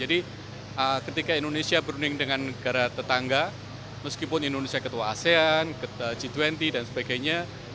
jadi ketika indonesia berunding dengan negara tetangga meskipun indonesia ketua asean g dua puluh dan sebagainya